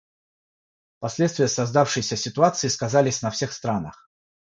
Последствия создавшейся ситуации сказались на всех странах.